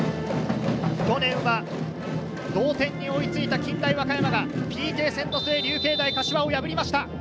去年は同点に追いついた近大和歌山がＰＫ戦の末、流経大柏を破りました。